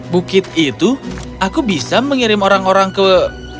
bukit itu aku bisa mengirim orang orang ke